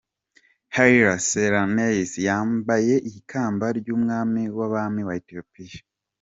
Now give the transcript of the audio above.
Haile Selassie, yambaye ikamba ry’umwami w’abami wa Ethiopia.